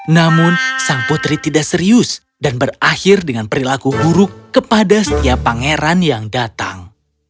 namun sang putri tidak serius dan berakhir dengan perilaku buruk kepada setiap pangeran yang datang